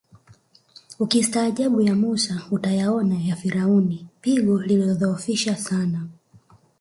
Ukistaajabu ya Mussa utayaona ya Firauni pigo lilidhoofisha sana